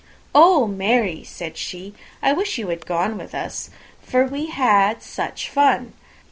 "Oh, Mary," said she, "I wish you had gone with us, for we had such fun!